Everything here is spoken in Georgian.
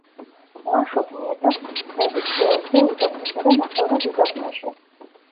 მლაშობ ნიადაგს ვხვდებით ველზე, უდაბნოსა და ნახევრად უდაბნოში.